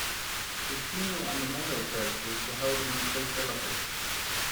His funeral and memorial services were held among close relatives.